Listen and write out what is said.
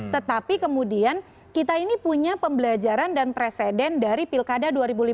tetapi kemudian kita ini punya pembelajaran dan presiden dari pilkada dua ribu lima belas